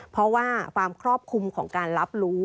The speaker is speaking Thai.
เพราะว่าความครอบคลุมของการรับรู้